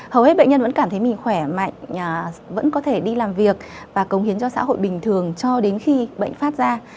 hầu hết bệnh nhân vẫn cảm thấy mình khỏe mạnh vẫn có thể đi làm việc và cống hiến cho xã hội bình thường cho đến khi bệnh phát ra